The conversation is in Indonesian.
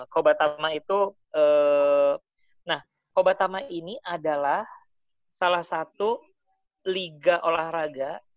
kobatama itu nah kobatama ini adalah salah satu liga olahraga